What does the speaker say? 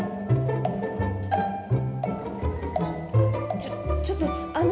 ちょちょっとあの。